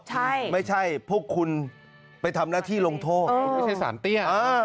ใช่ไม่ใช่พวกคุณไปทำหน้าที่ลงโทษคุณไม่ใช่สารเตี้ย